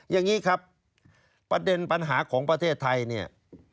อย่างนี้ครับประเด็นปัญหาของประเทศไทยเนี่ย